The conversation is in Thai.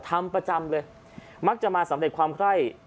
ทำประจำเลยมักจะมาสำเร็จความไคร่